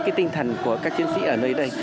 cái tinh thần của các chiến sĩ ở nơi đây